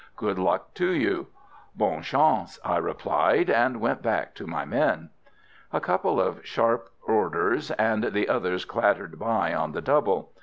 Good luck to you!" "Bonne chance!" I replied, and went back to my men. A couple of sharp orders, and the others clattered by at the double.